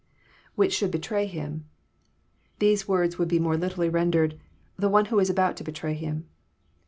IWhich should betray him,'] These words would be more lit erally rendered, " the one who was about to betray Him."